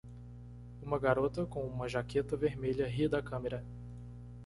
Uma garota com uma jaqueta vermelha ri da câmera.